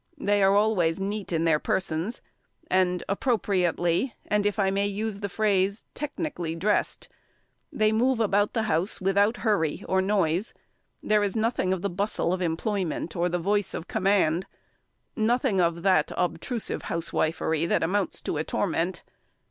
They are always neat in their persons, and appropriately, and, if I may use the phrase, technically dressed; they move about the house without hurry or noise; there is nothing of the bustle of employment, or the voice of command; nothing of that obtrusive housewifery that amounts to a torment.